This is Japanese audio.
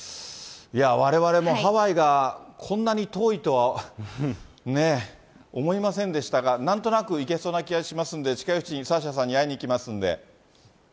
われわれも、ハワイがこんなに遠いとはね、思いませんでしたが、なんとなく行けそうな気がしますので、近いうちにサーシャさんに会いに行きますんで。